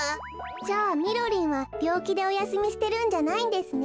じゃあみろりんはびょうきでおやすみしてるんじゃないんですね。